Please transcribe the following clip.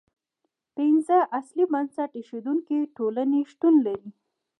پنځه اصلي بنسټ ایښودونکې ټولنې شتون لري.